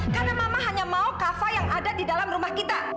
karena mama hanya mau kava yang ada di dalam rumah kita